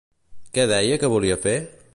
Què deia que volia fer?